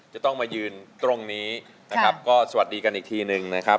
จะต้องมายืนตรงนี้นะครับก็สวัสดีกันอีกทีหนึ่งนะครับ